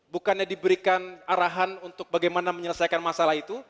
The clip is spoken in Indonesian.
bukannya diberikan arahan untuk bagaimana menyelesaikan masalah itu